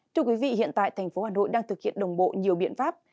chúc quý vị hiện tại tp hà nội đang thực hiện đồng bộ nhiều biện pháp